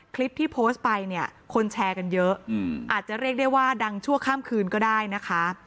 คลิปที่โพสต์ไปเนี่ยคนแชร์กันเยอะอาจจะเรียกได้ว่าดังชั่วข้ามคืนก็ได้นะคะ